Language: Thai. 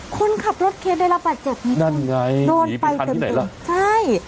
คุณขับรถเครนได้รับประจัดไม่ต้นโดนไปเต็มใช่นั่นไงเป็นคันที่ไหนล่ะ